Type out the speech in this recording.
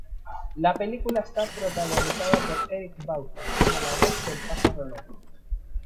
La película está protagonizada por Eric Bauza como la voz del pájaro loco.